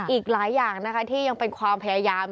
อีกหลายอย่างนะคะที่ยังเป็นความพยายาม